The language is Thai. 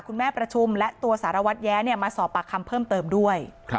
ประชุมและตัวสารวัตรแย้มาสอบปากคำเพิ่มเติมด้วย